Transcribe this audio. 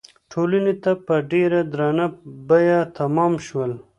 ټولنې ته په ډېره درنه بیه تمام شول.